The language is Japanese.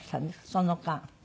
その間。